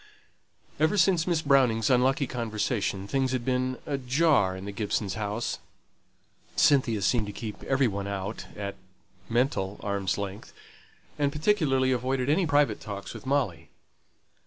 Ever since Miss Browning's unlucky conversation, things had been ajar in the Gibsons' house. Cynthia seemed to keep every one out at (mental) arms' length; and particularly avoided any private talks with Molly.